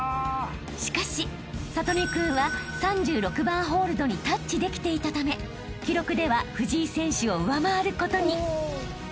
［しかし智音君は３６番ホールドにタッチできていたため記録では藤井選手を上回ることに］